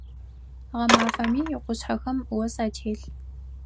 Гъэмафэми икъушъхьэхэм ос ателъ.